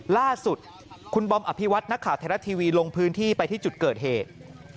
ล่าสุดคุณบอมอภิวัตนักข่าวไทยรัฐทีวีลงพื้นที่ไปที่จุดเกิดเหตุ